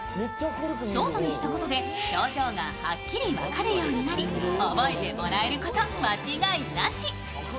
ショートにしたことで表情がはっっきり分かるようになり覚えてもらえること間違いなし。